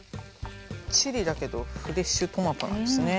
チリだけどフレッシュトマトなんですね。